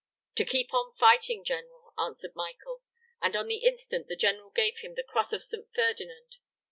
'To keep on fighting, General,' answered Michael; and on the instant the general gave him the cross of St. Ferdinand.